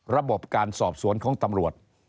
ระบบการสอบสวนของตำรวจ